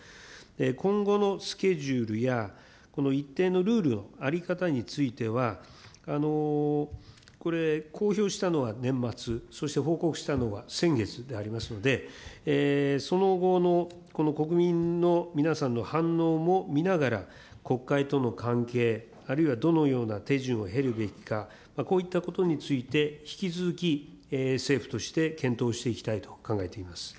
今後のスケジュールや、この一定のルールの在り方については、これ、公表したのは年末、そして報告したのは先月でありますので、その後のこの国民の皆さんの反応も見ながら、国会との関係、あるいはどのような手順を経るべきか、こういったことについて、引き続き、政府として検討していきたいと考えています。